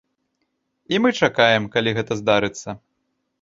І мы чакаем, калі гэта здарыцца.